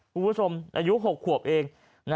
คุณผู้ชมอายุ๖ขวบเอง